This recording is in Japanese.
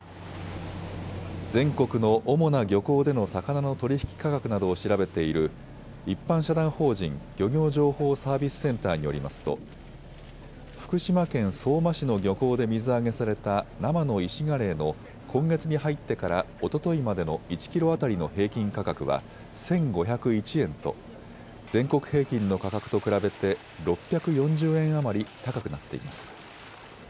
全国の主な漁港での魚の取引価格などを調べている一般社団法人漁業情報サービスセンターによりますと福島県相馬市の漁港で水揚げされた生のイシガレイの今月に入ってからおとといまでの１キロ当たりの平均価格は１５０１円と全国平均の価格と比べて６４０円余り高くなっています。